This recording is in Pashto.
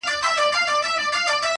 لا په اورونو کي تازه پاته ده!